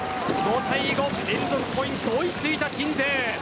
５連続ポイント追いついた鎮西。